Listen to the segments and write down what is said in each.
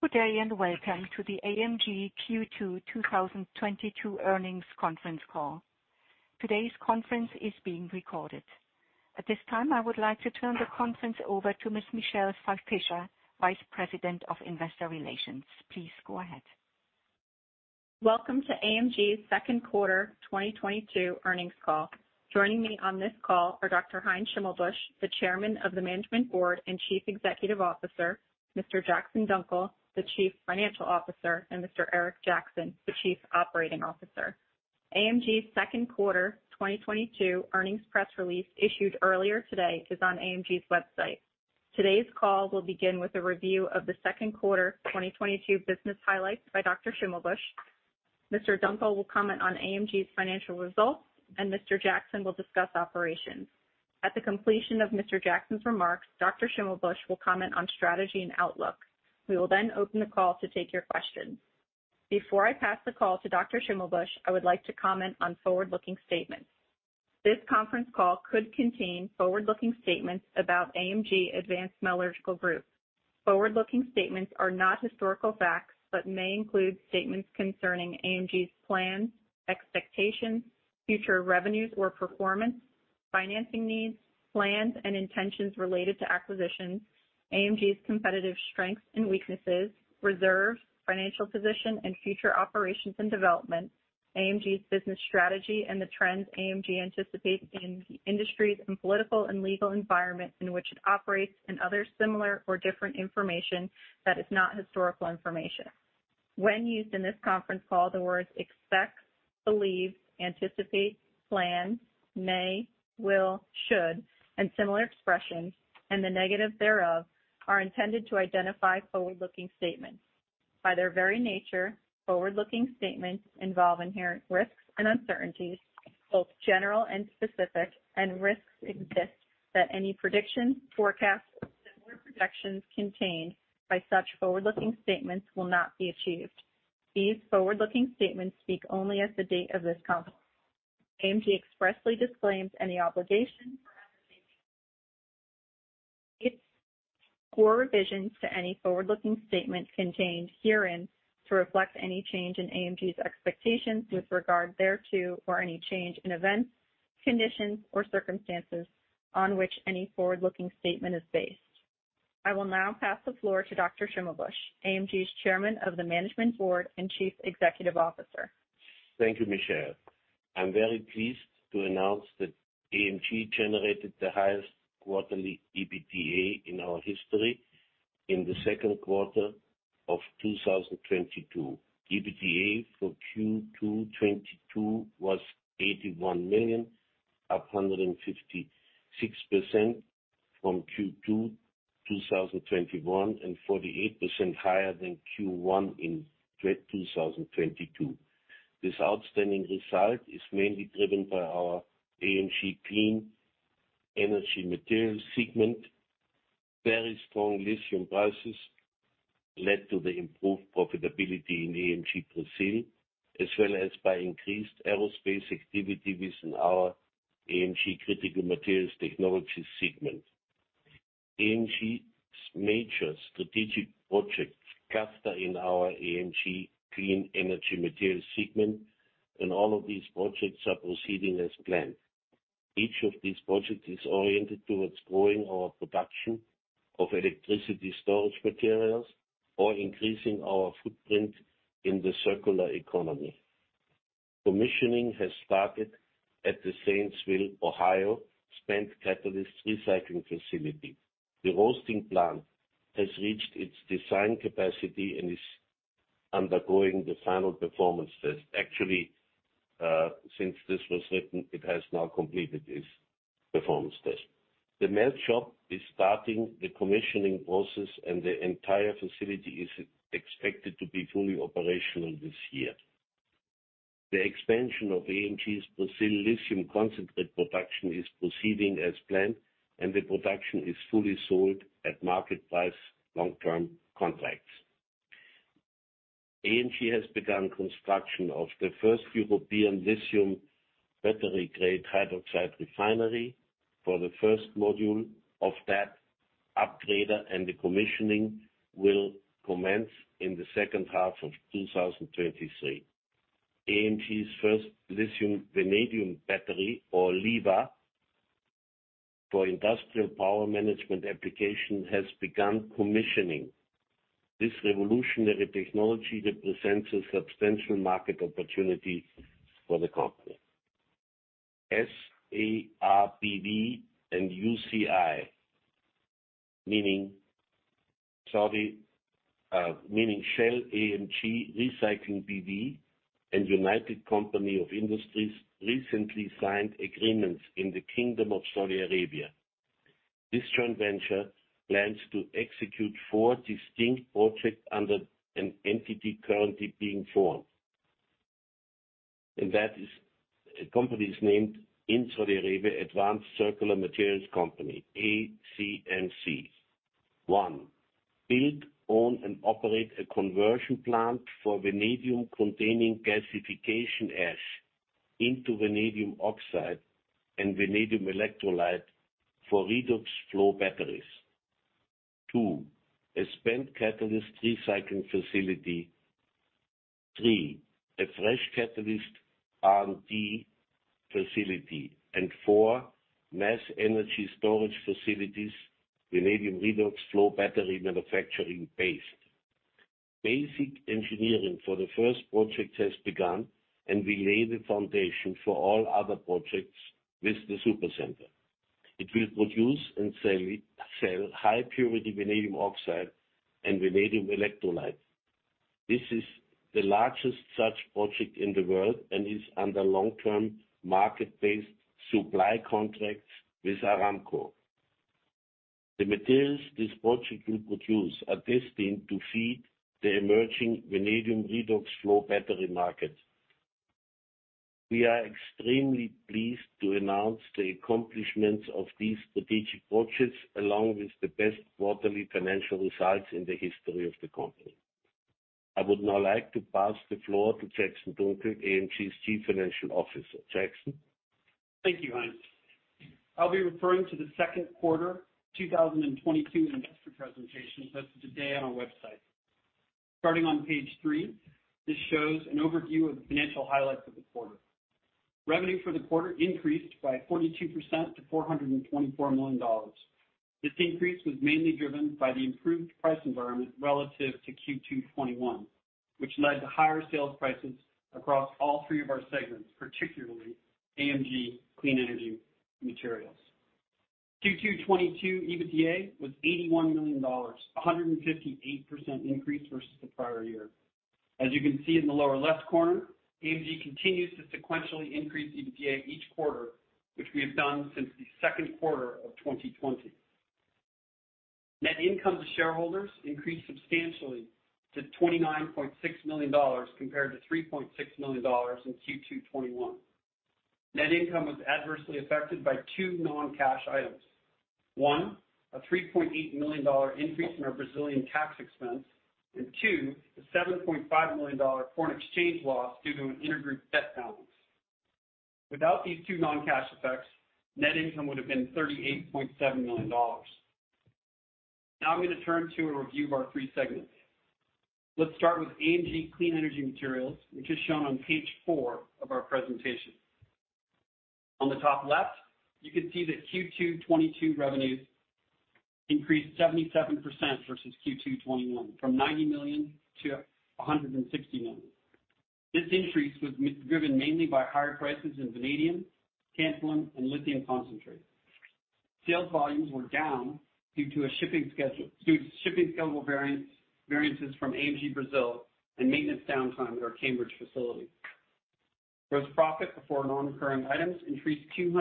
Good day, and welcome to the AMG Q2 2022 earnings conference call. Today's conference is being recorded. At this time, I would like to turn the conference over to Ms. Michele Fischer, Vice President of Investor Relations. Please go ahead. Welcome to AMG's Q2 2022 earnings call. Joining me on this call are Dr. Heinz Schimmelbusch, the Chairman of the Management Board and Chief Executive Officer, Mr. Jackson Dunckel, the Chief Financial Officer, and Mr. Eric Jackson, the Chief Operating Officer. AMG's Q2 2022 earnings press release issued earlier today is on AMG's website. Today's call will begin with a review of the Q2 2022 business highlights by Dr. Schimmelbusch. Mr. Dunckel will comment on AMG's financial results, and Mr. Jackson will discuss operations. At the completion of Mr. Jackson's remarks, Dr. Schimmelbusch will comment on strategy and outlook. We will then open the call to take your questions. Before I pass the call to Dr. Schimmelbusch, I would like to comment on forward-looking statements. This conference call could contain forward-looking statements about AMG Advanced Metallurgical Group. Forward-looking statements are not historical facts, but may include statements concerning AMG's plans, expectations, future revenues or performance, financing needs, plans and intentions related to acquisitions, AMG's competitive strengths and weaknesses, reserves, financial position and future operations and development, AMG's business strategy and the trends AMG anticipates in the industries and political and legal environment in which it operates, and other similar or different information that is not historical information. When used in this conference call, the words expect, believe, anticipate, plan, may, will, should, and similar expressions, and the negative thereof, are intended to identify forward-looking statements. By their very nature, forward-looking statements involve inherent risks and uncertainties, both general and specific, and risks exist that any predictions, forecasts or similar projections contained by such forward-looking statements will not be achieved. These forward-looking statements speak only as of the date of this conference. AMG expressly disclaims any obligation or revisions to any forward-looking statements contained herein to reflect any change in AMG's expectations with regard thereto or any change in events, conditions or circumstances on which any forward-looking statement is based. I will now pass the floor to Dr. Schimmelbusch, AMG's Chairman of the Management Board and Chief Executive Officer. Thank you, Michelle. I'm very pleased to announce that AMG generated the highest quarterly EBITDA in our history in the Q2 of 2022. EBITDA for Q2 2022 was $81 million, up 156% from Q2 2021, and 48% higher than Q1 in 2022. This outstanding result is mainly driven by our AMG Clean Energy Materials segment. Very strong lithium prices led to the improved profitability in AMG Brazil, as well as by increased aerospace activity within our AMG Critical Materials Technologies segment. AMG's major strategic projects cluster in our AMG Clean Energy Materials segment, and all of these projects are proceeding as planned. Each of these projects is oriented towards growing our production of electricity storage materials or increasing our footprint in the circular economy. Commissioning has started at the Zanesville, Ohio spent catalyst recycling facility. The roasting plant has reached its design capacity and is undergoing the final performance test. Actually, since this was written, it has now completed its performance test. The melt shop is starting the commissioning process and the entire facility is expected to be fully operational this year. The expansion of AMG Brazil lithium concentrate production is proceeding as planned, and the production is fully sold at market price long-term contracts. AMG has begun construction of the first European lithium battery grade hydroxide refinery for the first module of that upgrader, and the commissioning will commence in the H2 of 2023. AMG's first lithium vanadium battery, or LIVA, for industrial power management application has begun commissioning. This revolutionary technology represents a substantial market opportunity for the company. SARBV and UCI, meaning Shell & AMG Recycling B.V. and United Company for Industry, recently signed agreements in the Kingdom of Saudi Arabia. This joint venture plans to execute four distinct projects under an entity currently being formed. That is, the company is named in Saudi Arabia, Advanced Circular Materials Company, ACMC. One, build, own and operate a conversion plant for vanadium-containing gasification ash into vanadium oxide and vanadium electrolyte for redox flow batteries. Two, a spent catalyst recycling facility. Three, a fresh catalyst R&D facility. Four, mass energy storage facilities, vanadium redox flow battery manufacturing base. Basic engineering for the first project has begun and we lay the foundation for all other projects with the Supercenter. It will produce and sell high purity vanadium oxide and vanadium electrolyte. This is the largest such project in the world and is under long-term market-based supply contracts with Aramco. The materials this project will produce are destined to feed the emerging vanadium redox flow battery market. We are extremely pleased to announce the accomplishments of these strategic projects along with the best quarterly financial results in the history of the company. I would now like to pass the floor to Jackson Dunckel, AMG's Chief Financial Officer. Jackson. Thank you, Heinz. I'll be referring to the Q2 2022 investor presentation posted today on our website. Starting on page three, this shows an overview of the financial highlights of the quarter. Revenue for the quarter increased by 42% to $424 million. This increase was mainly driven by the improved price environment relative to Q2 2021, which led to higher sales prices across all three of our segments, particularly AMG Clean Energy Materials. Q2 2022 EBITDA was $81 million, a 158% increase versus the prior year. As you can see in the lower left corner, AMG continues to sequentially increase EBITDA each quarter, which we have done since the Q2 of 2020. Net income to shareholders increased substantially to $29.6 million compared to 3.6 million in Q2 2021. Net income was adversely affected by two non-cash items. One, a $3.8 million increase in our Brazilian tax expense. Two, a $7.5 million foreign exchange loss due to an intergroup debt balance. Without these two non-cash effects, net income would have been $38.7 million. Now I'm gonna turn to a review of our three segments. Let's start with AMG Clean Energy Materials, which is shown on page four of our presentation. On the top left, you can see that Q2 2022 revenues increased 77% versus Q2 2021 from $90 million to 160 million. This increase was driven mainly by higher prices in vanadium, tantalum, and lithium concentrate. Sales volumes were down due to shipping schedule variances from AMG Brazil and maintenance downtime at our Cambridge facility. Gross profit before non-recurring items increased 282%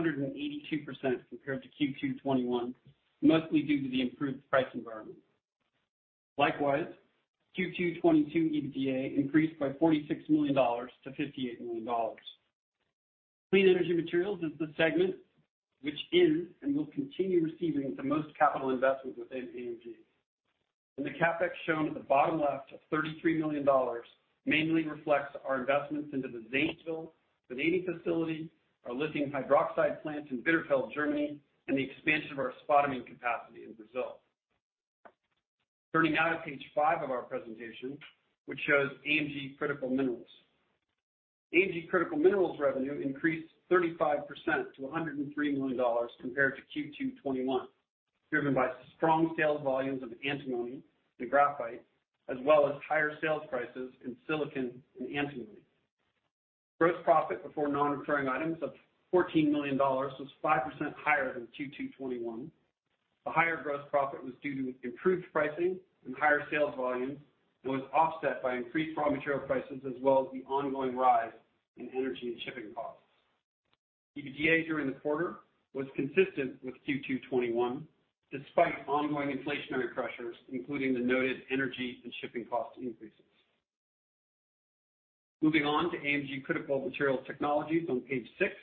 compared to Q2 2021, mostly due to the improved price environment. Likewise, Q2 2022 EBITDA increased by $46 million to 58 million. Clean Energy Materials is the segment which is and will continue receiving the most capital investment within AMG. The CapEx shown at the bottom left of $33 million mainly reflects our investments into the Zanesville vanadium facility, our lithium hydroxide plant in Bitterfeld, Germany, and the expansion of our spodumene capacity in Brazil. Turning now to page five of our presentation, which shows AMG Critical Minerals. AMG Critical Minerals revenue increased 35% to $103 million compared to Q2 2021, driven by strong sales volumes of antimony and graphite, as well as higher sales prices in silicon and antimony. Gross profit before non-recurring items of $14 million was 5% higher than Q2 2021. The higher gross profit was due to improved pricing and higher sales volume, and was offset by increased raw material prices, as well as the ongoing rise in energy and shipping costs. EBITDA during the quarter was consistent with Q2 2021, despite ongoing inflationary pressures, including the noted energy and shipping cost increases. Moving on to AMG Critical Materials Technologies on page six.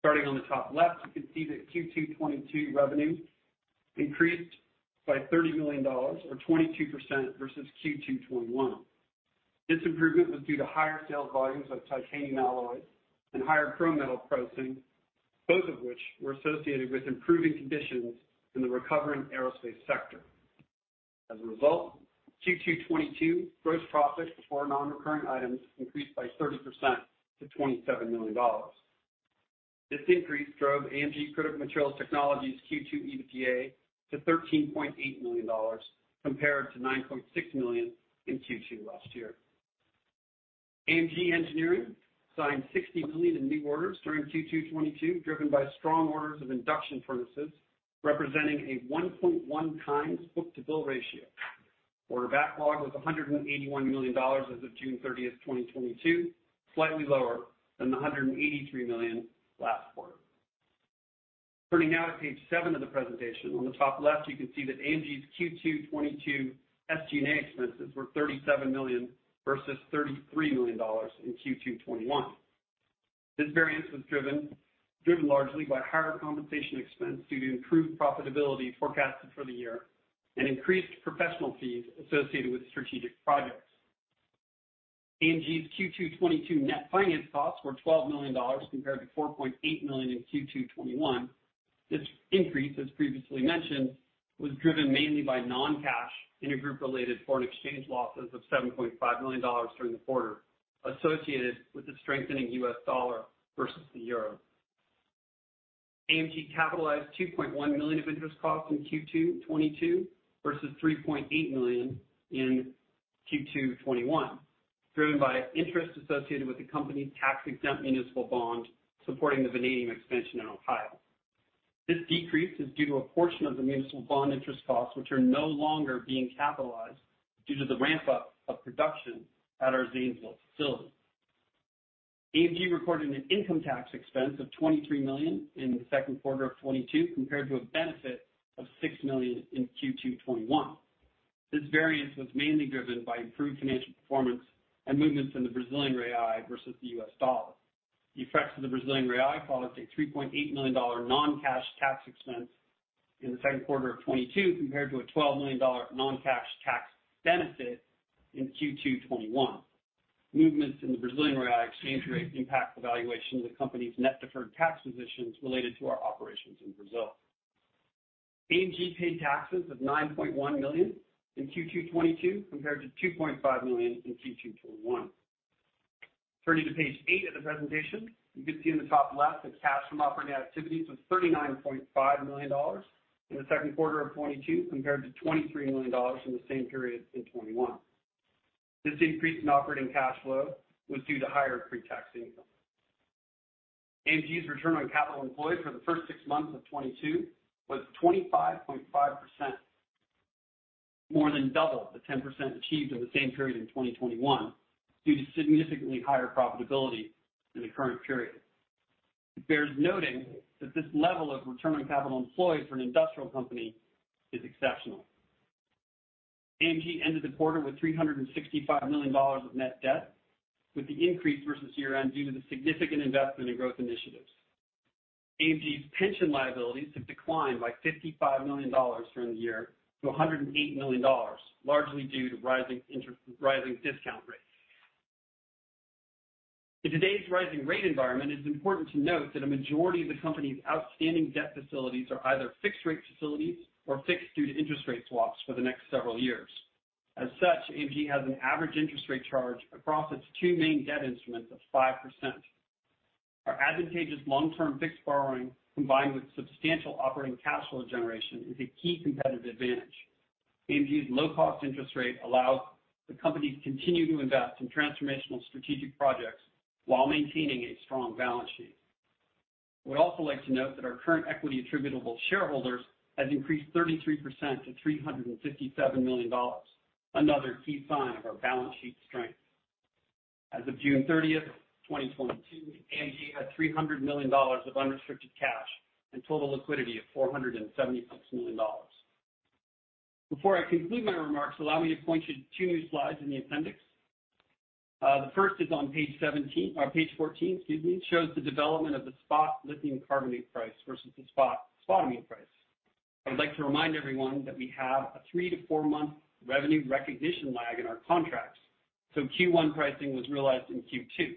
Starting on the top left, you can see that Q2 2022 revenue increased by $30 million or 22% versus Q2 2021. This improvement was due to higher sales volumes of titanium alloys and higher chrome metal pricing, both of which were associated with improving conditions in the recovering aerospace sector. As a result, Q2 2022 gross profit before non-recurring items increased by 30% to $27 million. This increase drove AMG Critical Materials Technologies' Q2 EBITDA to $13.8 million compared to $9.6 million in Q2 last year. AMG Engineering signed $60 million in new orders during Q2 2022, driven by strong orders of induction furnaces, representing a 1.1 times book-to-bill ratio. Order backlog was $181 million as of June 30, 2022, slightly lower than the $183 million last quarter. Turning now to page seven of the presentation. On the top left, you can see that AMG's Q2 2022 SG&A expenses were $37 million versus $33 million in Q2 2021. This variance was driven largely by higher compensation expense due to improved profitability forecasted for the year. Increased professional fees associated with strategic projects. AMG's Q2 2022 net finance costs were $12 million compared to $4.8 million in Q2 2021. This increase, as previously mentioned, was driven mainly by non-cash intergroup related foreign exchange losses of $7.5 million during the quarter associated with the strengthening US dollar versus the euro. AMG capitalized $2.1 million of interest costs in Q2 2022 versus $3.8 million in Q2 2021, driven by interest associated with the company's tax-exempt municipal bond supporting the vanadium expansion in Ohio. This decrease is due to a portion of the municipal bond interest costs which are no longer being capitalized due to the ramp-up of production at our Zanesville facility. AMG recorded an income tax expense of $23 million in the Q2 of 2022, compared to a benefit of $6 million in Q2 2021. This variance was mainly driven by improved financial performance and movements in the Brazilian real versus the US dollar. The effects of the Brazilian real caused a $3.8 million non-cash tax expense in the Q2 of 2022, compared to a $12 million non-cash tax benefit in Q2 2021. Movements in the Brazilian real exchange rate impact the valuation of the company's net deferred tax positions related to our operations in Brazil. AMG paid taxes of $9.1 million in Q2 2022 compared to $2.5 million in Q2 2021. Turning to page eight of the presentation, you can see in the top left that cash from operating activities was $39.5 million in the Q2 of 2022, compared to $23 million in the same period in 2021. This increase in operating cash flow was due to higher pre-tax income. AMG's return on capital employed for the first six months of 2022 was 25.5%, more than double the 10% achieved in the same period in 2021 due to significantly higher profitability in the current period. It bears noting that this level of return on capital employed for an industrial company is exceptional. AMG ended the quarter with $365 million of net debt, with the increase versus year-end due to the significant investment in growth initiatives. AMG's pension liabilities have declined by $55 million during the year to $108 million, largely due to rising discount rates. In today's rising rate environment, it is important to note that a majority of the company's outstanding debt facilities are either fixed rate facilities or fixed due to interest rate swaps for the next several years. As such, AMG has an average interest rate charge across its two main debt instruments of 5%. Our advantageous long-term fixed borrowing, combined with substantial operating cash flow generation, is a key competitive advantage. AMG's low-cost interest rate allows the company to continue to invest in transformational strategic projects while maintaining a strong balance sheet. We'd also like to note that our current equity attributable shareholders has increased 33% to $357 million, another key sign of our balance sheet strength. As of June 30, 2022, AMG had $300 million of unrestricted cash and total liquidity of $476 million. Before I conclude my remarks, allow me to point you to two new slides in the appendix. The first is on page 14, excuse me, shows the development of the spot lithium carbonate price versus the spot spodumene price. I would like to remind everyone that we have a 3- to 4-month revenue recognition lag in our contracts, so Q1 pricing was realized in Q2.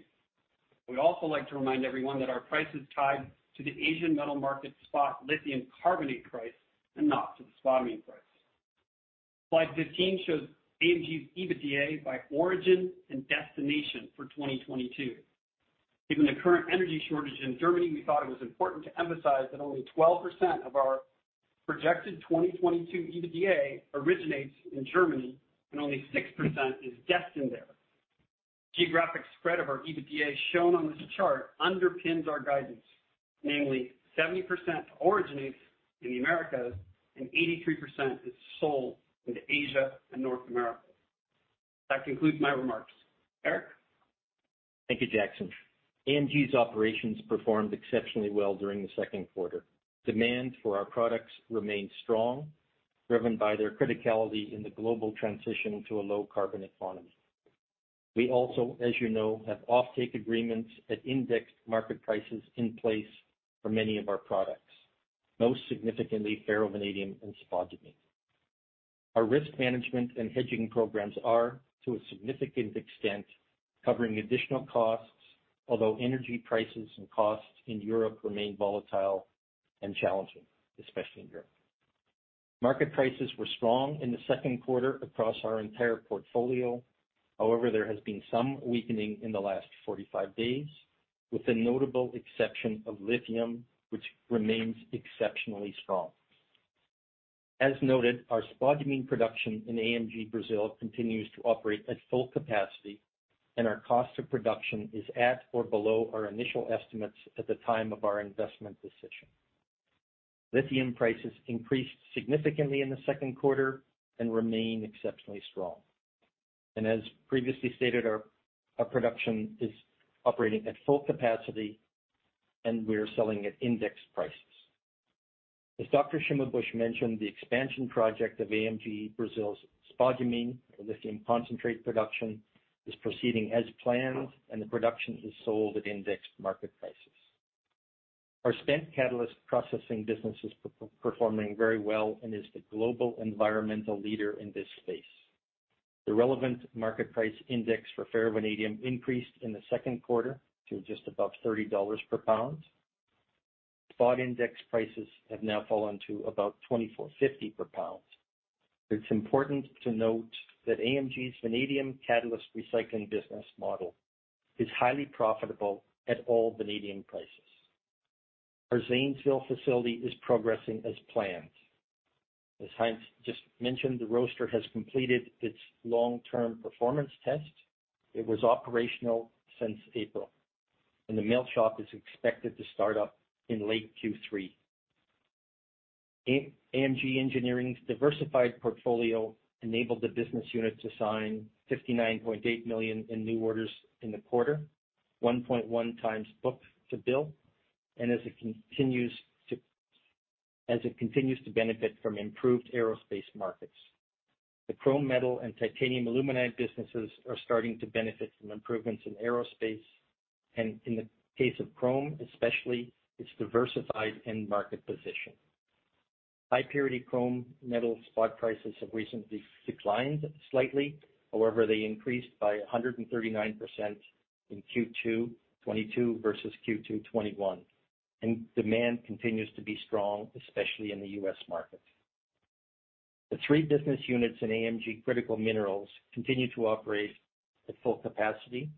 We'd also like to remind everyone that our price is tied to the Asian Metal market spot lithium carbonate price and not to the spodumene price. Slide 15 shows AMG's EBITDA by origin and destination for 2022. Given the current energy shortage in Germany, we thought it was important to emphasize that only 12% of our projected 2022 EBITDA originates in Germany and only 6% is destined there. Geographic spread of our EBITDA shown on this chart underpins our guidance, namely 70% originates in the Americas and 83% is sold to Asia and North America. That concludes my remarks. Eric? Thank you, Jackson. AMG's operations performed exceptionally well during the Q2. Demand for our products remained strong, driven by their criticality in the global transition to a low carbon economy. We also, as you know, have offtake agreements at indexed market prices in place for many of our products, most significantly ferrovanadium and spodumene. Our risk management and hedging programs are, to a significant extent, covering additional costs, although energy prices and costs in Europe remain volatile and challenging, especially in Europe. Market prices were strong in the Q2 across our entire portfolio. However, there has been some weakening in the last 45 days, with the notable exception of lithium, which remains exceptionally strong. As noted, our spodumene production in AMG Brazil continues to operate at full capacity and our cost of production is at or below our initial estimates at the time of our investment decision. Lithium prices increased significantly in the Q2 and remain exceptionally strong. As previously stated, our production is operating at full capacity and we are selling at index prices. As Dr. Schimmelbusch mentioned, the expansion project of AMG Brazil's spodumene and lithium concentrate production is proceeding as planned and the production is sold at index market prices. Our spent catalyst processing business is performing very well and is the global environmental leader in this space. The relevant market price index for ferrovanadium increased in the Q2 to just above $30 per pound. Spot index prices have now fallen to about $24.50 per pound. It's important to note that AMG's vanadium catalyst recycling business model is highly profitable at all vanadium prices. Our Zanesville facility is progressing as planned. As Heinz just mentioned, the roaster has completed its long-term performance test. It was operational since April, and the melt shop is expected to start up in late Q3. AMG Engineering's diversified portfolio enabled the business unit to sign $59.8 million in new orders in the quarter, 1.1 times book-to-bill, and as it continues to benefit from improved aerospace markets. The chrome metal and titanium aluminide businesses are starting to benefit from improvements in aerospace, and in the case of chrome especially, its diversified end market position. High-purity chrome metal spot prices have recently declined slightly. However, they increased by 139% in Q2 2022 versus Q2 2021, and demand continues to be strong, especially in the U.S. market. The three business units in AMG Critical Minerals continue to operate at full capacity.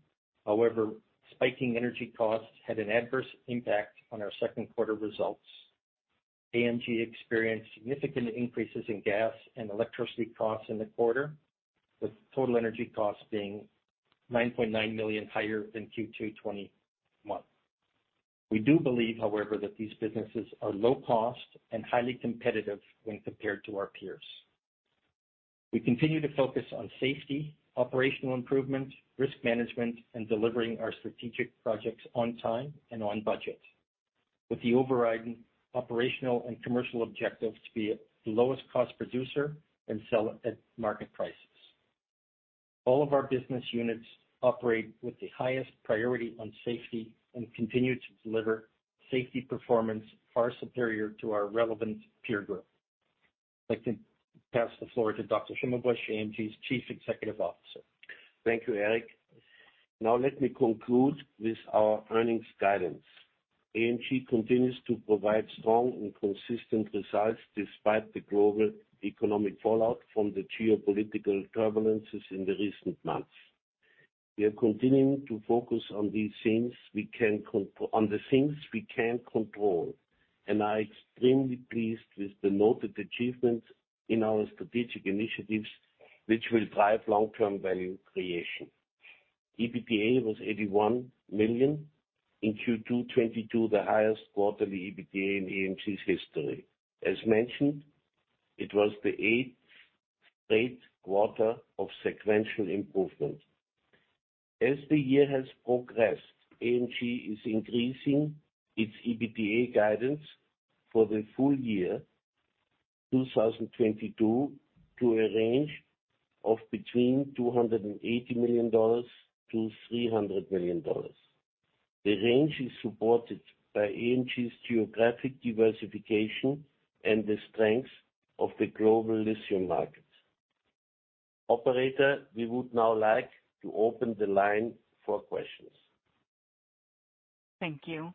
However, spiking energy costs had an adverse impact on our Q2 results. AMG experienced significant increases in gas and electricity costs in the quarter, with total energy costs being $9.9 million higher than Q2 2021. We do believe, however, that these businesses are low cost and highly competitive when compared to our peers. We continue to focus on safety, operational improvement, risk management, and delivering our strategic projects on time and on budget, with the overriding operational and commercial objective to be the lowest cost producer and sell at market prices. All of our business units operate with the highest priority on safety and continue to deliver safety performance far superior to our relevant peer group. I'd like to pass the floor to Dr. Schimmelbusch, AMG's Chief Executive Officer. Thank you, Eric. Now let me conclude with our earnings guidance. AMG continues to provide strong and consistent results despite the global economic fallout from the geopolitical turbulences in the recent months. We are continuing to focus on the things we can control, and are extremely pleased with the noted achievements in our strategic initiatives, which will drive long-term value creation. EBITDA was $81 million in Q2 2022, the highest quarterly EBITDA in AMG's history. As mentioned, it was the eighth straight quarter of sequential improvement. As the year has progressed, AMG is increasing its EBITDA guidance for the full year 2022 to a range of between $280 million and 300 million. The range is supported by AMG's geographic diversification and the strength of the global lithium market. Operator, we would now like to open the line for questions. Thank you.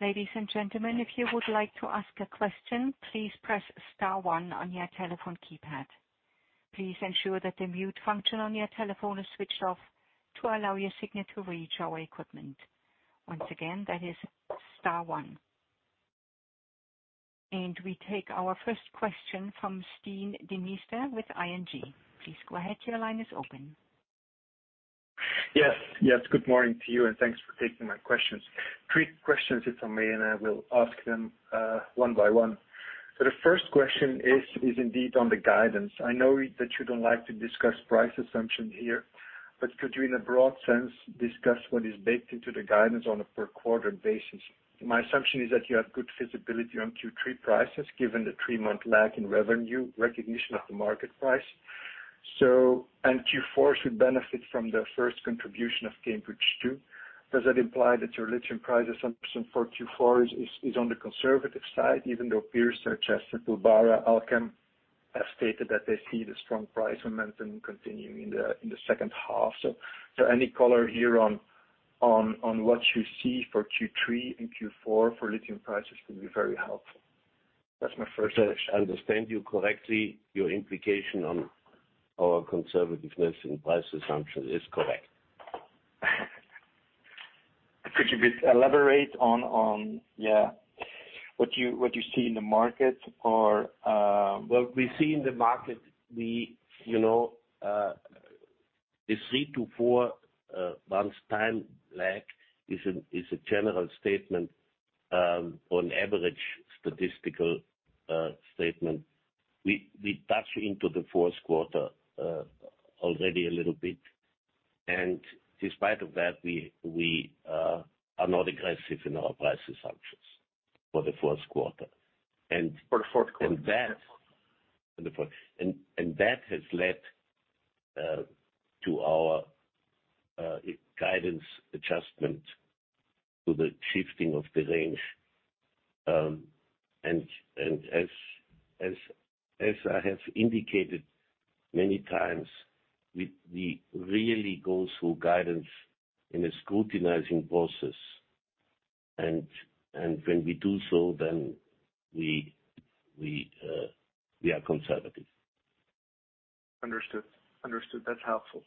Ladies and gentlemen, if you would like to ask a question, please press star one on your telephone keypad. Please ensure that the mute function on your telephone is switched off to allow your signal to reach our equipment. Once again, that is star one. We take our first question from Stijn Demeester with ING. Please go ahead. Your line is open. Yes. Yes, good morning to you, and thanks for taking my questions. three questions, if I may, and I will ask them one by one. The first question is indeed on the guidance. I know that you don't like to discuss price assumptions here, but could you, in a broad sense, discuss what is baked into the guidance on a per quarter basis? My assumption is that you have good visibility on Q3 prices, given the 3-month lag in revenue recognition of the market price. Q4 should benefit from the first contribution of Cambridge II. Does that imply that your lithium price assumption for Q4 is on the conservative side, even though peers such as Albemarle, Allkem, have stated that they see the strong price momentum continuing in the H2? Any color here on what you see for Q3 and Q4 for lithium prices would be very helpful. That's my first- If I understand you correctly, your implication on our conservativeness in price assumption is correct. Could you elaborate on what you see in the market or? What we see in the market, we, you know, the three-four months time lag is a general statement on average statistical statement. We touch into the Q4 already a little bit, and despite of that, we are not aggressive in our price assumptions for the Q4. For the Q4. And that- Yes. The fourth. That has led to our guidance adjustment to the shifting of the range. As I have indicated many times, we really go through guidance in a scrutinizing process. When we do so, then we are conservative. Understood. That's helpful.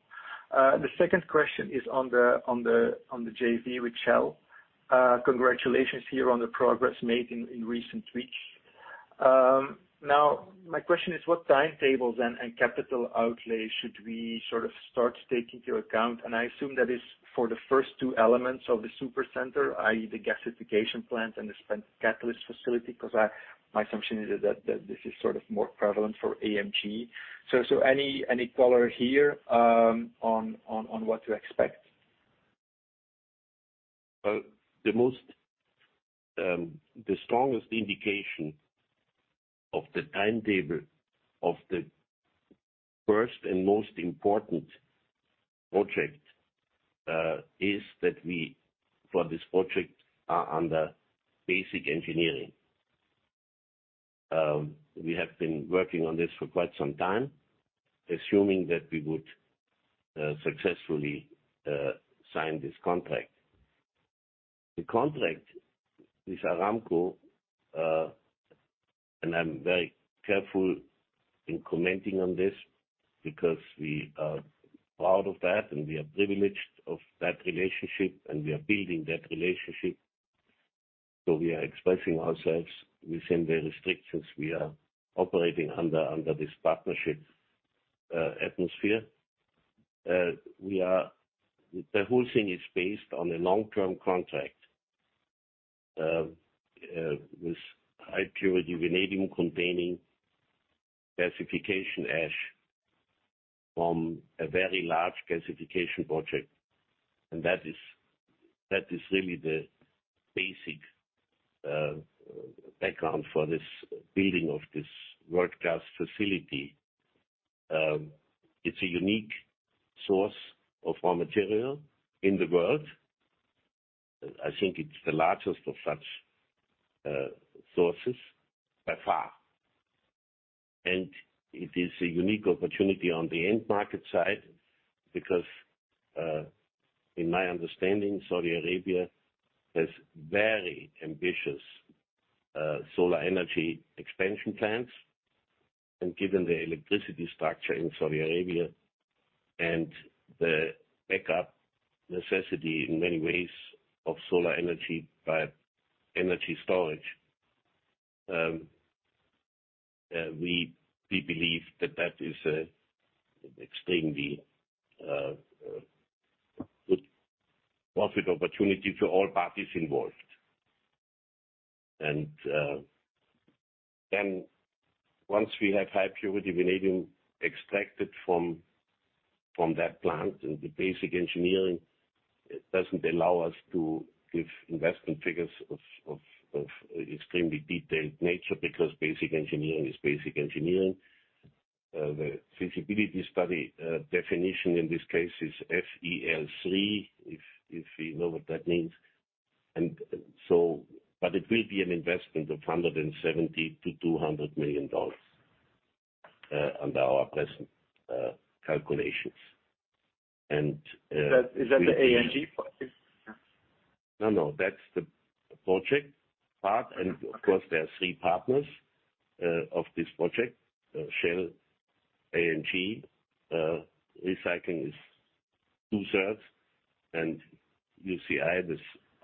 The second question is on the JV with Shell. Congratulations here on the progress made in recent weeks. Now my question is, what timetables and capital outlay should we sort of start taking into account? I assume that is for the first two elements of the Supercenter, i.e., the gasification plant and the spent catalyst facility, because my assumption is that this is sort of more prevalent for AMG. Any color here on what to expect? The strongest indication of the timetable of the first and most important project is that we, for this project, are under basic engineering. We have been working on this for quite some time, assuming that we would successfully sign this contract. The contract with Aramco, and I'm very careful in commenting on this because we are proud of that, and we are privileged of that relationship, and we are building that relationship. We are expressing ourselves within the restrictions we are operating under this partnership atmosphere. The whole thing is based on a long-term contract with high purity vanadium containing gasification ash from a very large gasification project. That is really the basic background for this building of this world-class facility. It's a unique source of raw material in the world. I think it's the largest of such sources by far. It is a unique opportunity on the end market side because in my understanding, Saudi Arabia has very ambitious solar energy expansion plans. Given the electricity structure in Saudi Arabia and the backup necessity in many ways of solar energy-by-energy storage, we believe that is an extremely good profit opportunity for all parties involved. Once we have high purity vanadium extracted from that plant, and the basic engineering doesn't allow us to give investment figures of extremely detailed nature because basic engineering is basic engineering. The feasibility study definition in this case is FEL-3, if you know what that means. It will be an investment of $170 million-200 million under our present calculations. Is that the AMG project? No, no, that's the project part. Of course, there are three partners of this project. Shell & AMG Recycling is two-thirds, and UCI,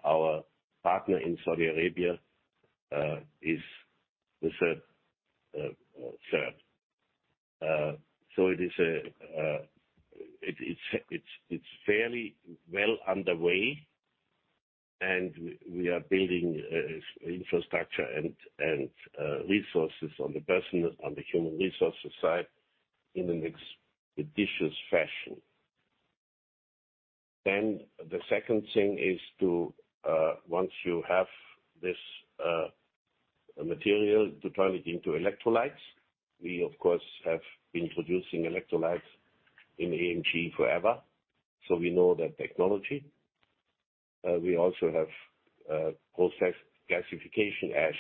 our partner in Saudi Arabia, is the third. It is fairly well underway, and we are building infrastructure and resources on the human resources side in an expeditious fashion. The second thing is, once you have this material, to turn it into electrolytes. We of course have been producing electrolytes in AMG forever, so we know that technology. We also have processed gasification ash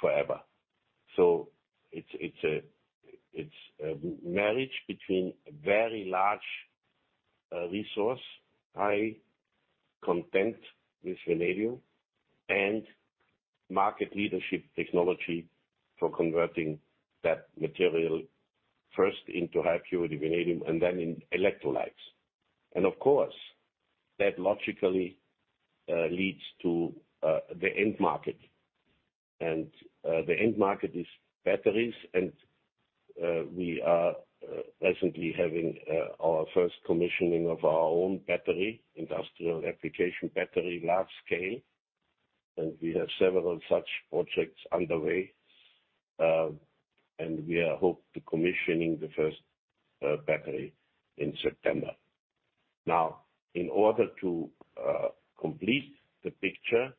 forever. It's a marriage between a very large resource, high content with vanadium, and market leadership technology for converting that material first into high purity vanadium and then in electrolytes. Of course, that logically leads to the end market. The end market is batteries, and we are recently having our first commissioning of our own battery, industrial application battery, large scale. We have several such projects underway, and we hope to commission the first battery in September. Now, in order to complete the picture,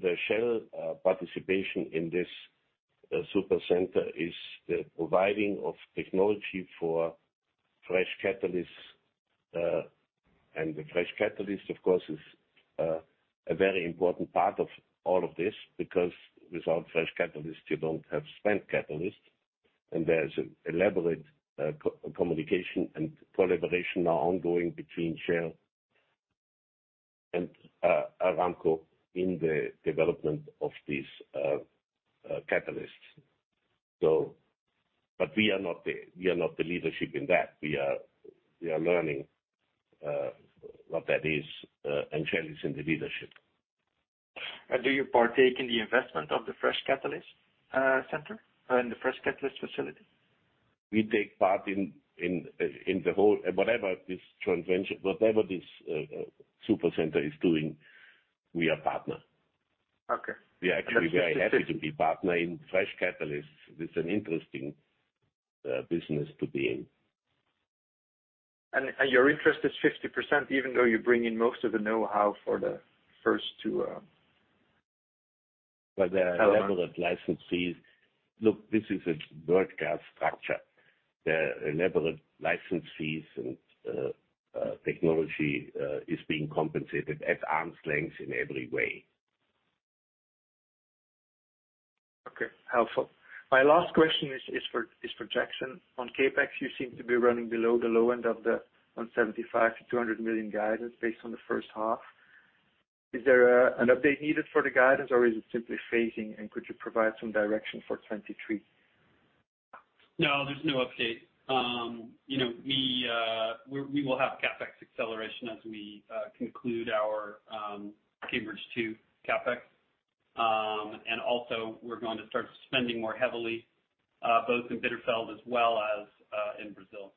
the Shell participation in this. The Supercenter is the providing of technology for fresh catalysts. The fresh catalyst, of course, is a very important part of all of this because without fresh catalyst, you don't have spent catalyst. There's an elaborate communication and collaboration are ongoing between Shell and Aramco in the development of these catalysts. But we are not the leadership in that. We are learning what that is, and Shell is in the leadership. Do you partake in the investment of the fresh catalyst center in the fresh catalyst facility? We take part in the whole whatever this Supercenter is doing, we are partner. Okay. We are actually very happy to be partner in fresh catalysts. It's an interesting business to be in. Your interest is 50%, even though you bring in most of the know-how for the first two, however. There are elaborate license fees. Look, this is a broadcast structure. There are elaborate license fees and technology is being compensated at arm's length in every way. Okay, helpful. My last question is for Jackson. On CapEx, you seem to be running below the low end of the $75-200 million guidance based on the H1. Is there an update needed for the guidance, or is it simply phasing? Could you provide some direction for 2023? No, there's no update. You know, we will have CapEx acceleration as we conclude our Cambridge two CapEx. Also we're going to start spending more heavily both in Bitterfeld as well as in Brazil.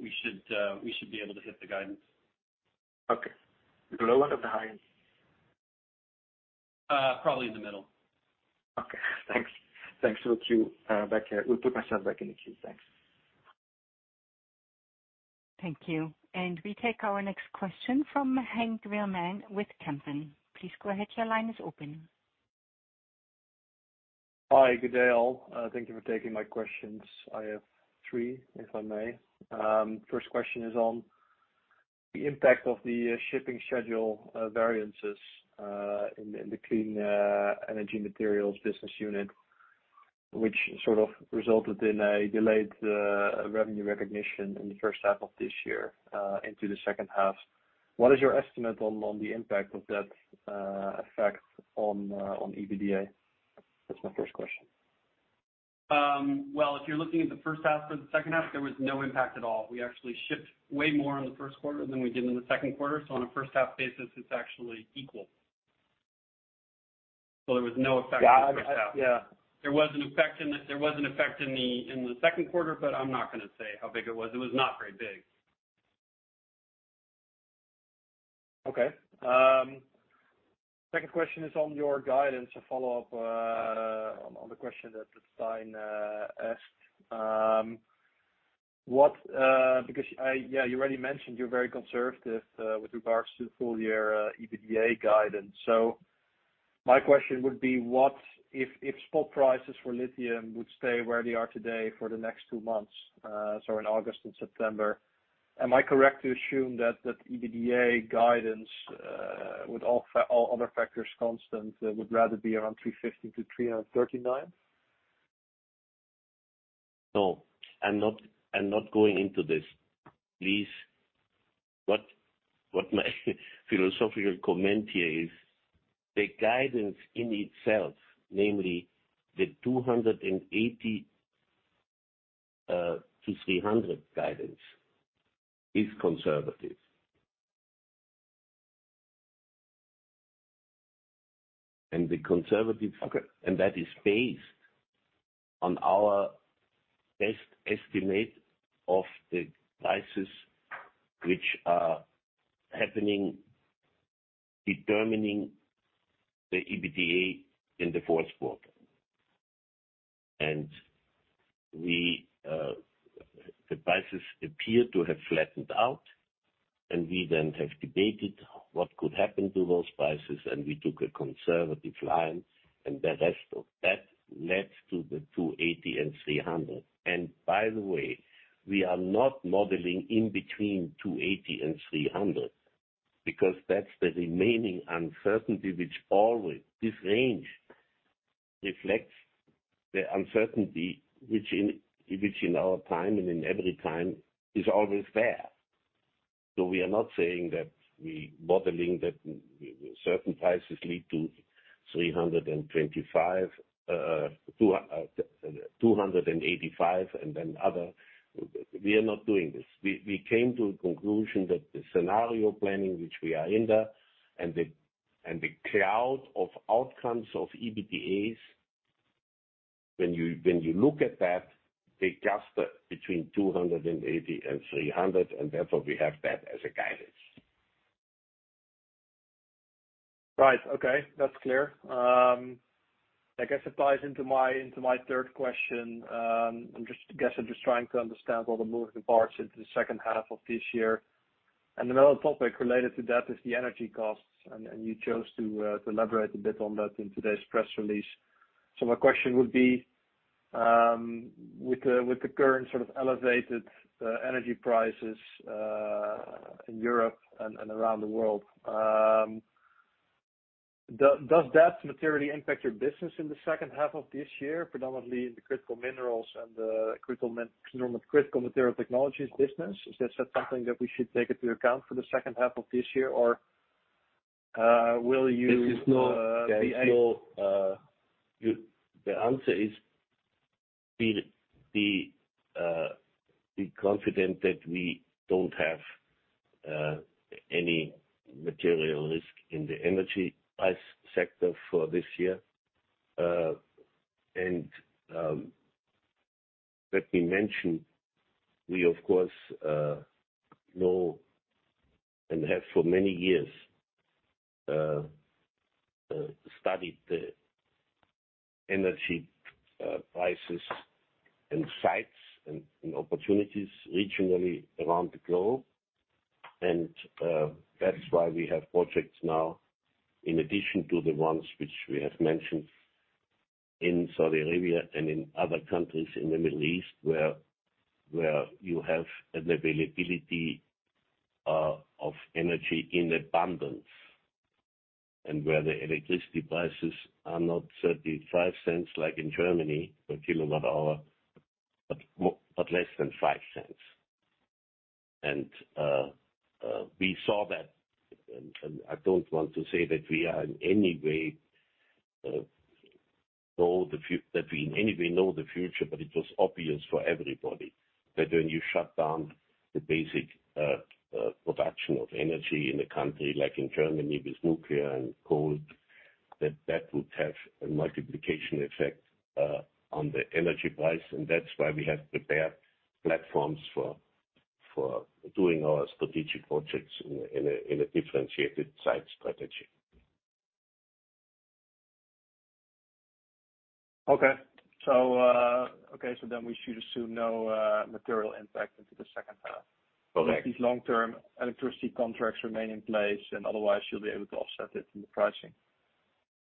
We should be able to hit the guidance. Okay. The low end or the high end? Probably in the middle. Okay. Thanks. We'll put myself back in the queue. Thanks. Thank you. We take our next question from Henk Veerman with Kempen. Please go ahead, your line is open. Hi. Good day, all. Thank you for taking my questions. I have three, if I may. First question is on the impact of the shipping schedule variances in the Clean Energy Materials business unit, which sort of resulted in a delayed revenue recognition in the H1 of this year into the H2. What is your estimate on the impact of that effect on EBITDA? That's my first question. Well, if you're looking at the H1 or the H2, there was no impact at all. We actually shipped way more in the Q1 than we did in the Q2. On a H1 basis, it's actually equal. There was no effect in the H1. Yeah. There was an effect in the Q2, but I'm not gonna say how big it was. It was not very big. Okay. Second question is on your guidance, a follow-up on the question that Stijn asked. Because, yeah, you already mentioned you're very conservative with regards to the full year EBITDA guidance. My question would be, what if spot prices for lithium would stay where they are today for the next two months, so in August and September, am i correct to assume that EBITDA guidance with all other factors constant would rather be around $350-339? No, I'm not going into this. Please. What my philosophical comment here is, the guidance in itself, namely the 280-300 guidance, is conservative. Okay. That is based on our best estimate of the prices which are happening, determining the EBITDA in the Q4. The prices appear to have flattened out, and we then have debated what could happen to those prices, and we took a conservative line, and the rest of that led to the $280-300. By the way, we are not modeling in between $280 and 300, because that's the remaining uncertainty which always. This range reflects the uncertainty which in our time and in every time is always there. We are not saying that we modeling that certain prices lead to $325, $285 and then other. We are not doing this. We came to a conclusion that the scenario planning which we are in, and the cloud of outcomes of EBITDAs, when you look at that, they cluster between 280 and 300, and therefore we have that as a guidance. Right. Okay, that's clear. I guess it ties into my third question. I guess I'm just trying to understand all the moving parts into the H2 of this year. Another topic related to that is the energy costs, and you chose to elaborate a bit on that in today's press release. My question would be, with the current sort of elevated energy prices in Europe and around the world, does that materially impact your business in the H2 of this year, predominantly in the critical minerals and the critical material technologies business? Is that something that we should take into account for the H2 of this year or, will you- This is no- Uh, be a- No. The answer is we're confident that we don't have any material risk in the energy price sector for this year. Let me mention, we of course know and have for many years studied the energy prices and sites and opportunities regionally around the globe. That's why we have projects now, in addition to the ones which we have mentioned in Saudi Arabia and in other countries in the Middle East, where you have an availability of energy in abundance. Where the electricity prices are not 35 cents like in Germany per kWh, but less than 5 cents. We saw that. I don't want to say that we are in any way know the future, but it was obvious for everybody. That when you shut down the basic production of energy in a country like Germany with nuclear and coal, that would have a multiplication effect on the energy price. That's why we have prepared platforms for doing our strategic projects in a differentiated site strategy. We should assume no material impact into the H2. Correct. These long-term electricity contracts remain in place, and otherwise you'll be able to offset it in the pricing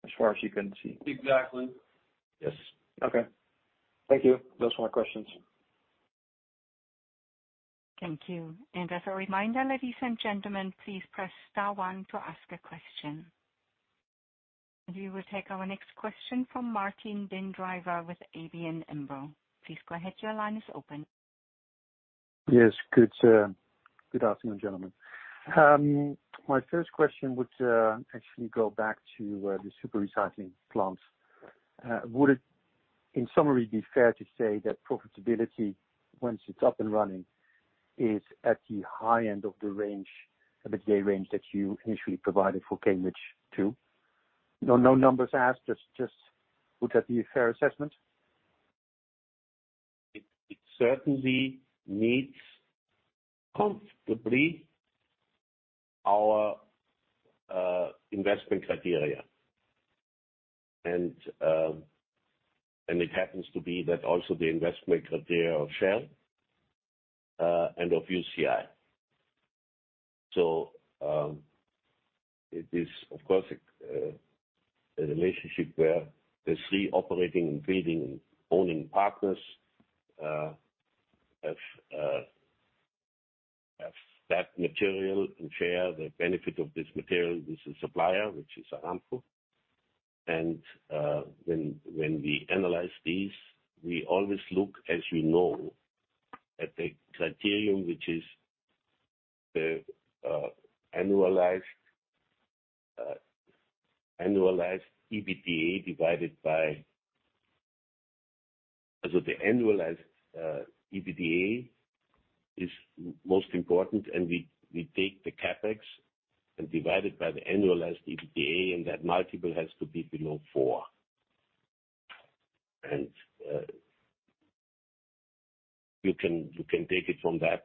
as far as you can see. Exactly. Yes. Okay. Thank you. Those were my questions. Thank you. As a reminder, ladies and gentlemen, please press star one to ask a question. We will take our next question from Martijn den Drijver with ABN AMRO. Please go ahead, your line is open. Yes. Good, sir. Good afternoon, gentlemen. My first question would actually go back to the Supercenter. Would it, in summary, be fair to say that profitability, once it's up and running, is at the high end of the range, EBITDA range, that you initially provided for Cambridge two? No numbers asked, just would that be a fair assessment? It certainly meets comfortably our investment criteria. It happens to be that also the investment criteria of Shell and of UCI. It is of course a relationship where the three operating and bidding and owning partners have that material and share the benefit of this material with the supplier, which is Aramco. When we analyze these, we always look, as you know, at the criterion, which is the annualized EBITDA divided by. The annualized EBITDA is most important, and we take the CapEx and divide it by the annualized EBITDA, and that multiple has to be below four. You can take it from that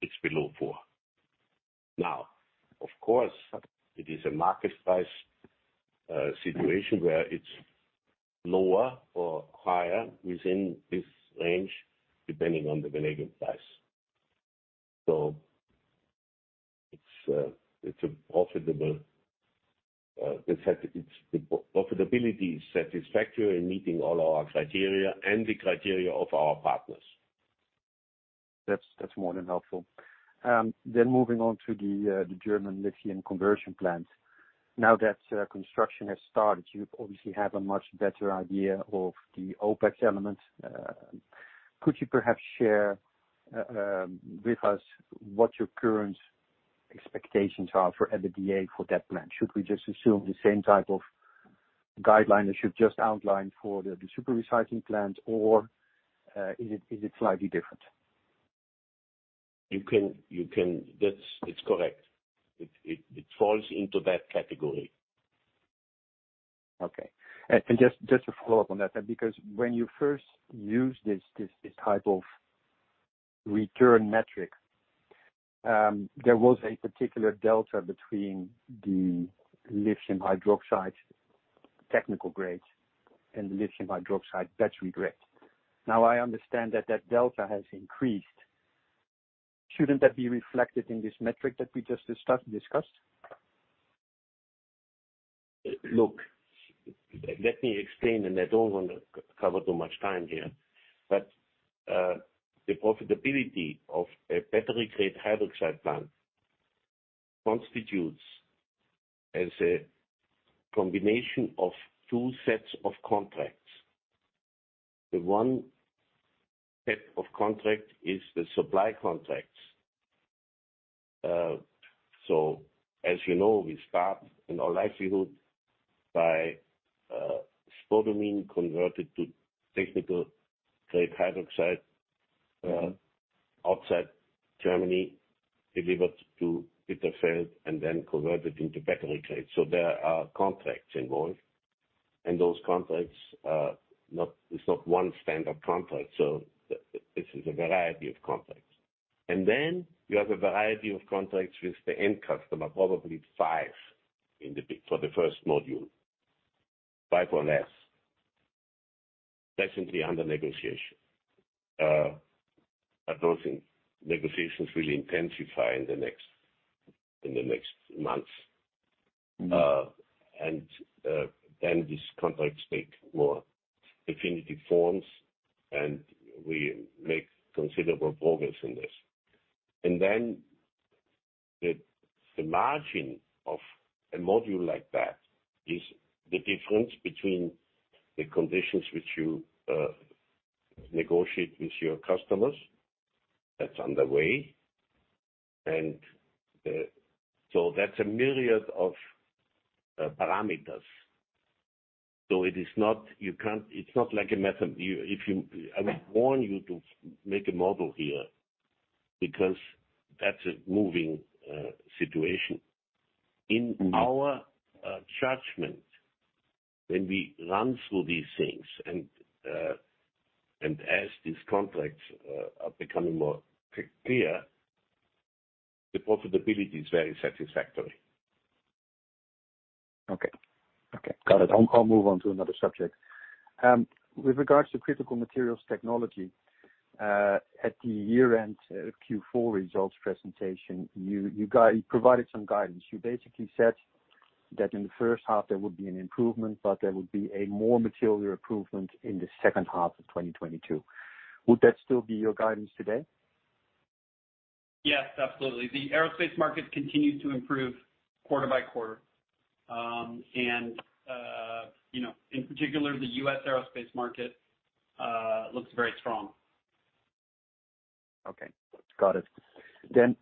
it's below four. Now, of course, it is a market price situation where it's lower or higher within this range, depending on the vanadium price. It's profitable. The profitability is satisfactory in meeting all our criteria and the criteria of our partners. That's more than helpful. Moving on to the German lithium conversion plant. Now that construction has started, you obviously have a much better idea of the OPEX elements. Could you perhaps share with us what your current expectations are for EBITDA for that plant? Should we just assume the same type of guideline that you've just outlined for the Supercenter or is it slightly different? You can. That's. It's correct. It falls into that category. Okay. Just to follow up on that, because when you first used this type of return metric, there was a particular delta between the lithium hydroxide technical grade and the lithium hydroxide battery grade. Now I understand that that delta has increased. Shouldn't that be reflected in this metric that we just discussed? Look, let me explain, and I don't wanna cover too much time here. The profitability of a battery grade hydroxide plant constitutes as a combination of two sets of contracts. The one type of contract is the supply contracts. As you know, we start in our lithium by spodumene converted to technical grade hydroxide, outside Germany, delivered to Bitterfeld and then converted into battery grade. There are contracts involved. Those contracts are not, it's not one standard contract, so this is a variety of contracts. Then you have a variety of contracts with the end customer, probably five for the first module. five or less. Presently under negotiation. Those negotiations will intensify in the next months. Mm-hmm. These contracts take more definitive forms, and we make considerable progress in this. The margin of a module like that is the difference between the conditions which you negotiate with your customers that's underway. That's a myriad of parameters. It is not. You can't. It's not like a method. I would warn you to make a model here because that's a moving situation. In our judgment, when we run through these things and as these contracts are becoming more clear, the profitability is very satisfactory. Okay. Okay, got it. I'll move on to another subject. With regards to critical materials technology, at the year-end Q4 results presentation, you provided some guidance. You basically said that in the H1 there would be an improvement, but there would be a more material improvement in the H2 of 2022. Would that still be your guidance today? Yes, absolutely. The aerospace market continues to improve quarter by quarter. You know, in particular, the U.S. aerospace market looks very strong. Okay, got it.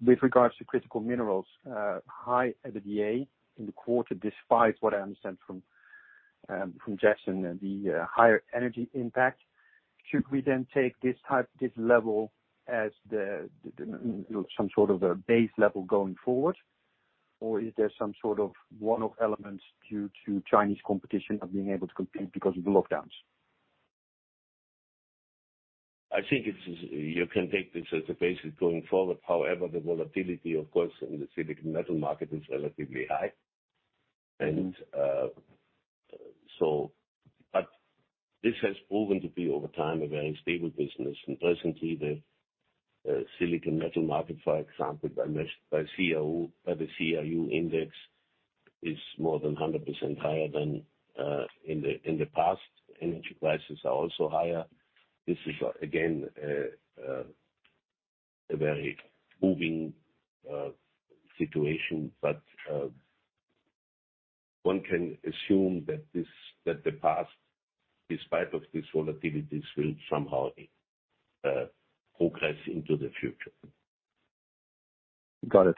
With regards to critical minerals, high EBITDA in the quarter, despite what I understand from Jackson, the higher energy impact. Should we then take this type, this level as the you know, some sort of a base level going forward? Or is there some sort of one-off elements due to Chinese competition not being able to compete because of the lockdowns? I think it is. You can take this as a basis going forward. However, the volatility, of course, in the silicon metal market is relatively high. This has proven to be over time a very stable business. Presently the silicon metal market, for example, by the CRU index, is more than 100% higher than in the past. Energy prices are also higher. This is, again, a very moving situation. One can assume that the past, despite of this volatilities, will somehow progress into the future. Got it.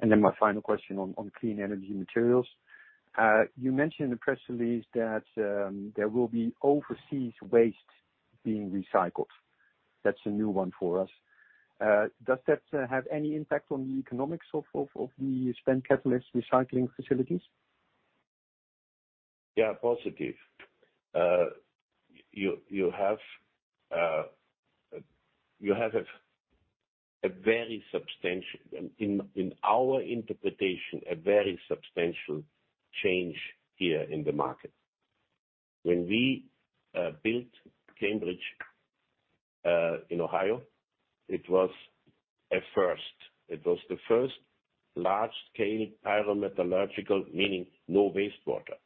Then my final question on Clean Energy Materials. You mentioned in the press release that there will be overseas waste being recycled. That's a new one for us. Does that have any impact on the economics of the spent catalyst recycling facilities? Yeah. Positive. You have a very substantial change here in the market, in our interpretation. When we built Cambridge in Ohio, it was a first. It was the first large-scale pyrometallurgical facility, meaning no wastewater.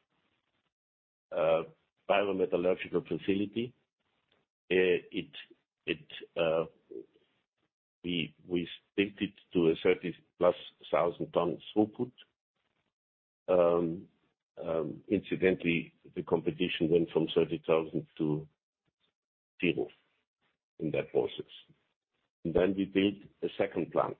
We staked it to a 30,000+ tons throughput. Incidentally, the competition went from 30,000 to zero in that process. We built a second plant,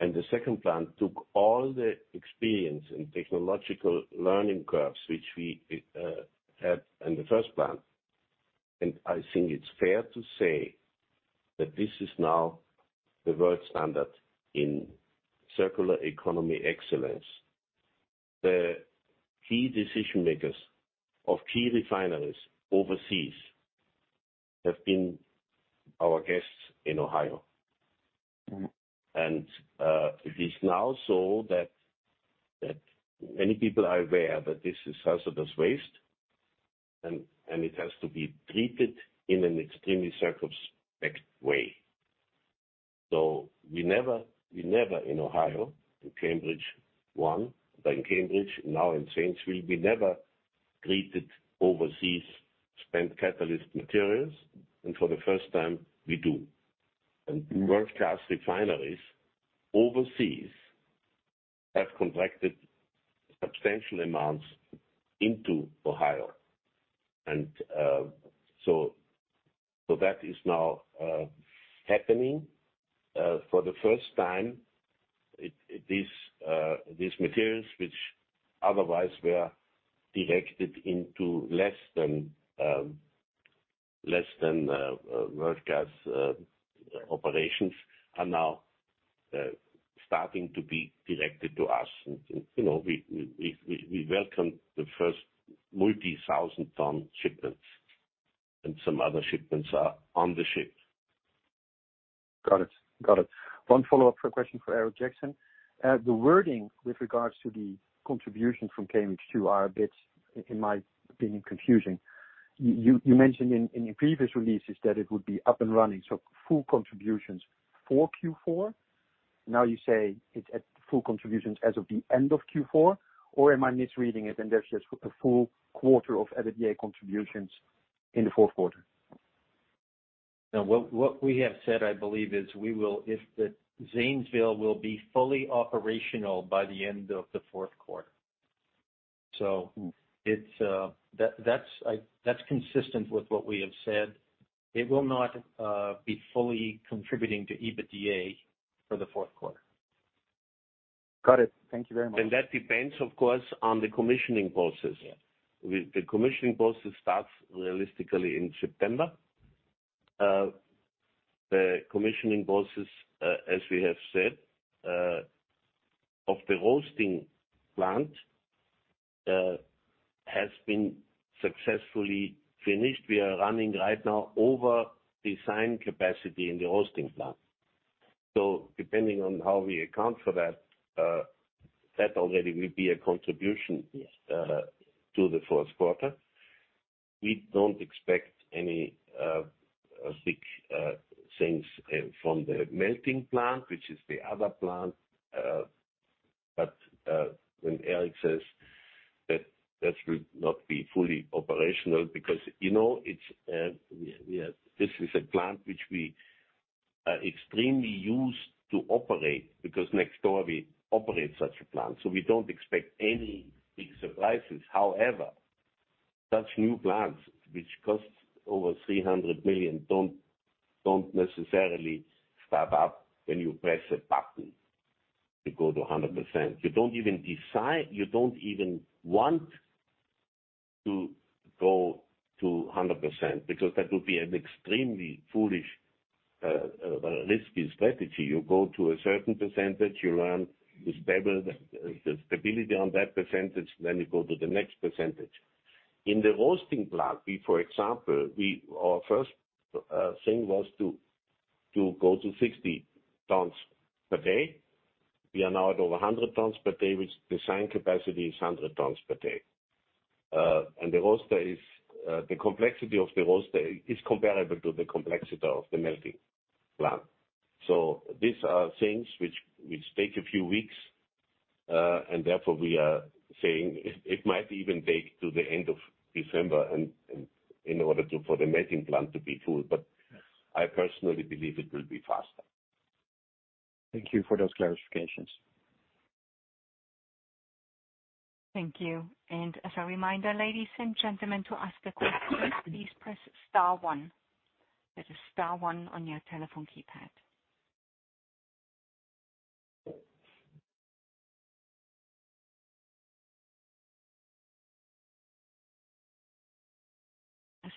and the second plant took all the experience and technological learning curves, which we had in the first plant. I think it's fair to say that this is now the world standard in circular economy excellence. The key decision makers of key refineries overseas have been our guests in Ohio. It is now so that many people are aware that this is hazardous waste and it has to be treated in an extremely circumspect way. We never in Ohio, in Cambridge, Ohio, but now in Zanesville treated overseas spent catalyst materials, and for the first time, we do. World-class refineries overseas have contracted substantial amounts into Ohio. That is now happening for the first time. It is these materials which otherwise were directed into less than world-class operations are now starting to be directed to us. You know, we welcomed the first multi-thousand ton shipments, and some other shipments are on the ship. One follow-up for a question for Eric Jackson. The wording with regards to the contribution from Cambridge two are a bit, in my opinion, confusing. You mentioned in your previous releases that it would be up and running, so full contributions for Q4. Now you say it's at full contributions as of the end of Q4, or am I misreading it, and there's just a full quarter of EBITDA contributions in the Q4? No, what we have said, I believe, is that Zanesville will be fully operational by the end of the Q4. Mm-hmm. That's consistent with what we have said. It will not be fully contributing to EBITDA for the Q4. Got it. Thank you very much. That depends, of course, on the commissioning process. Yeah. The commissioning process starts realistically in September. The commissioning process, as we have said, of the roasting plant, has been successfully finished. We are running right now over design capacity in the roasting plant. Depending on how we account for that already will be a contribution. Yes. to the Q4. We don't expect any big things from the melting plant, which is the other plant. When Eric says that that will not be fully operational because, you know, it's a plant which we are extremely used to operate because next door we operate such a plant, so we don't expect any big surprises. However, such new plants, which cost over $300 million, don't necessarily start up when you press a button to go to 100%. You don't even want to go to 100%, because that would be an extremely foolish risky strategy. You go to a certain percentage, you learn the stability on that percentage, then you go to the next percentage. In the roasting plant, for example, our first thing was to go to 60 tons per day. We are now at over 100 tons per day, which design capacity is 100 tons per day. The complexity of the roaster is comparable to the complexity of the melting plant. These are things which take a few weeks, and therefore we are saying it might even take to the end of December and in order for the melting plant to be full. Yes. I personally believe it will be faster. Thank you for those clarifications. Thank you. As a reminder, ladies and gentlemen, to ask a question, please press star one. That is star one on your telephone keypad.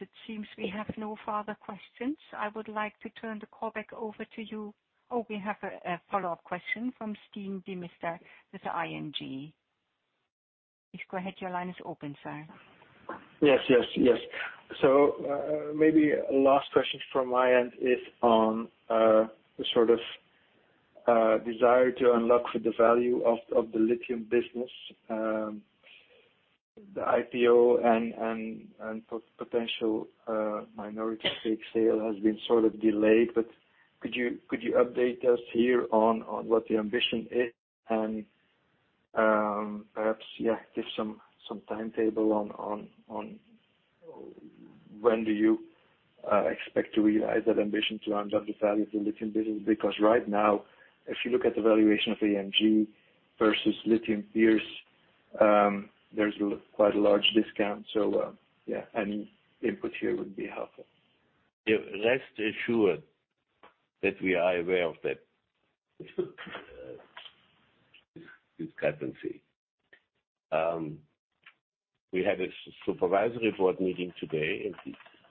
As it seems we have no further questions, I would like to turn the call back over to you. Oh, we have a follow-up question from Stijn Demeester with ING. Please go ahead. Your line is open, sir. Yes. Maybe last question from my end is on the sort of desire to unlock the value of the lithium business. The IPO and potential minority stake sale has been sort of delayed, but could you update us here on what the ambition is? Perhaps, yeah, give some timetable on when do you expect to realize that ambition to unlock the value of the lithium business? Because right now, if you look at the valuation of AMG versus lithium peers, there's quite a large discount. Yeah, any input here would be helpful. Yeah. Rest assured that we are aware of that, discrepancy. We had a supervisory board meeting today, and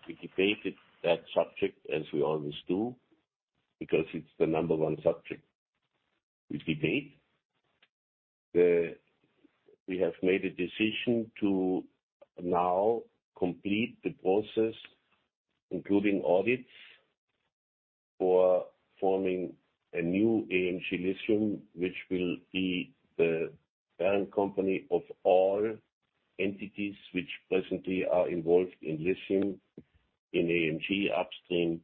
we debated that subject, as we always do, because it's the number one subject we debate. We have made a decision to now complete the process, including audits for forming a new AMG Lithium, which will be the parent company of all entities which presently are involved in lithium, in AMG upstream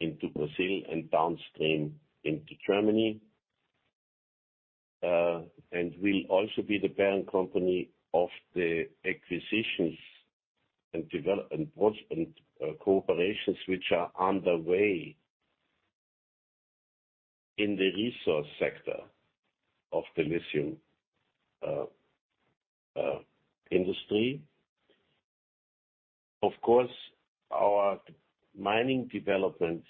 into Brazil and downstream into Germany, and will also be the parent company of the acquisitions and corporations which are underway in the resource sector of the lithium industry. Of course, our mining development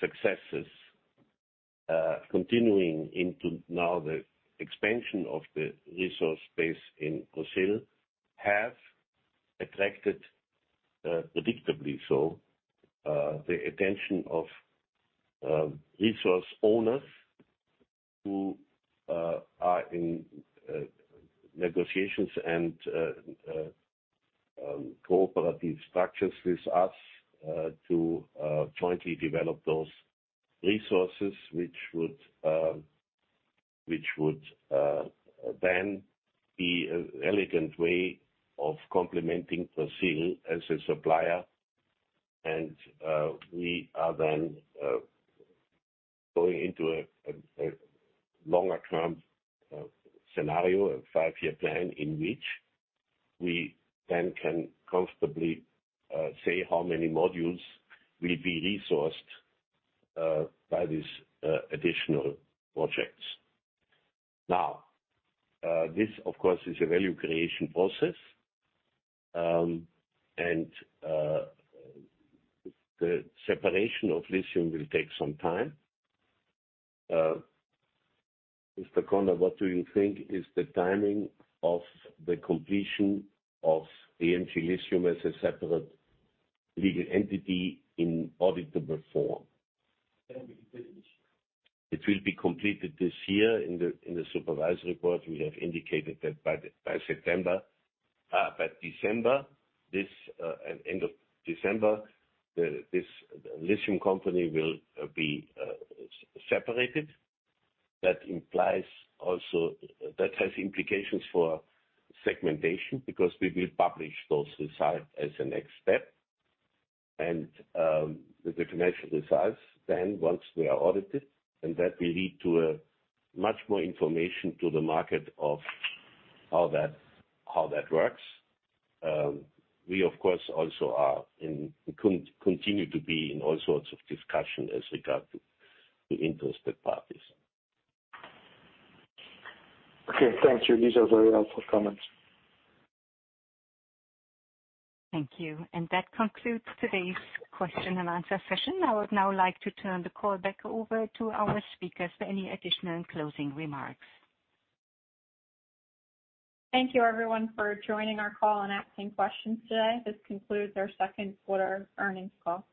successes continuing into now the expansion of the resource base in Brazil have attracted predictably so the attention of resource owners who are in negotiations and cooperative structures with us to jointly develop those resources which would then be an elegant way of complementing Brazil as a supplier. We are then going into a longer term scenario, a five-year plan in which we then can comfortably say how many modules will be resourced by these additional projects. Now this, of course, is a value creation process. The separation of lithium will take some time. Mr. Mr. uncertain, what do you think is the timing of the completion of AMG Lithium as a separate legal entity in auditable form? It will be completed this year. In the supervisory report, we have indicated that by September, by December, and end of December, this lithium company will be separated. That implies also that has implications for segmentation because we will publish those results as a next step. The financial results then once they are audited, and that will lead to much more information to the market of how that works. We of course also continue to be in all sorts of discussion as regards to interested parties. Okay. Thank you. These are very helpful comments. Thank you. That concludes today's question and answer session. I would now like to turn the call back over to our speakers for any additional and closing remarks. Thank you everyone for joining our call and asking questions today. This concludes our Q2 earnings call.